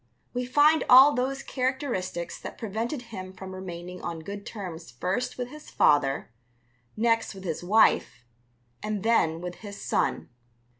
We find all those characteristics that prevented him from remaining on good terms first with his father, next with his wife, and then with his son.